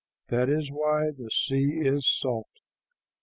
That is why the sea is salt.